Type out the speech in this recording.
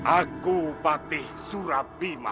aku patih surabima